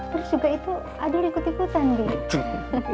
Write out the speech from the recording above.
terus juga itu ada rikut ikutan bi